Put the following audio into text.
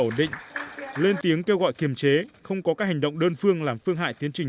ổn định lên tiếng kêu gọi kiềm chế không có các hành động đơn phương làm phương hại tiến trình